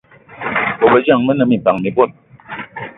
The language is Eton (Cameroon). Bôbejang be ne minpan mi bot